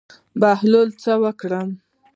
بهلوله څه وکړم.